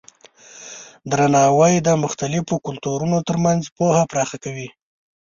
درناوی د مختلفو کلتورونو ترمنځ پوهه پراخه کوي.